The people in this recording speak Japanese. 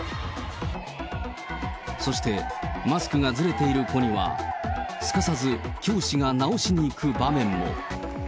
そしてマスクがずれている子には、すかさず教師が直しにいく場面も。